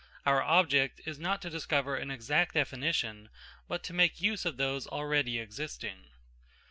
Our object is not to discover an exact definition, but to make use of those already existing.